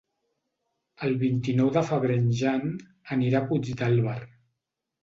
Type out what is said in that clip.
El vint-i-nou de febrer en Jan anirà a Puigdàlber.